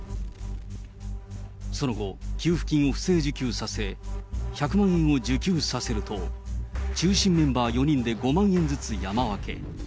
その後、給付金を不正受給させ、１００万円を受給させると、中心メンバー４人で５万円ずつ山分け。